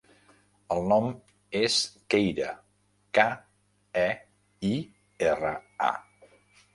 El nom és Keira: ca, e, i, erra, a.